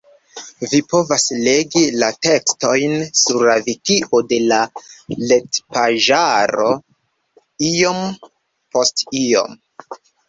Vi povas legi la tekstojn sur la Vikio de la retpaĝaro Iom post iom.